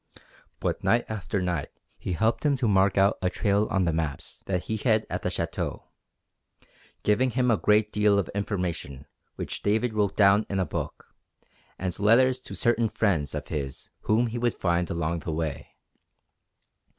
But night after night he helped him to mark out a trail on the maps that he had at the Château, giving him a great deal of information which David wrote down in a book, and letters to certain good friends of his whom he would find along the way.